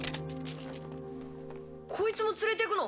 こいつも連れてくの？